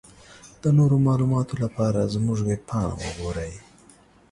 د نورو معلوماتو لپاره زمونږ ويبپاڼه وګورٸ.